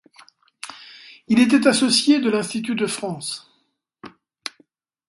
Il était associé de l’Institut de France.